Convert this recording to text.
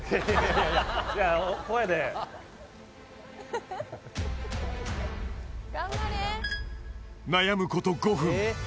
いやいや声で悩むこと５分